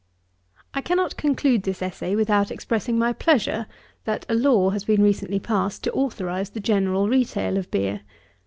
65. I cannot conclude this Essay without expressing my pleasure, that a law has been recently passed to authorize the general retail of beer.